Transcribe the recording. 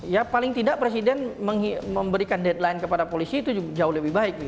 ya paling tidak presiden memberikan deadline kepada polisi itu jauh lebih baik